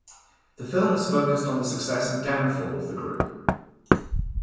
The film is focused on the success and downfall of the group.